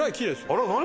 あら何？